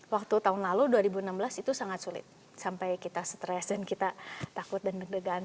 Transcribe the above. waktu tahun lalu dua ribu enam belas itu sangat sulit sampai kita stres dan kita takut dan deg degan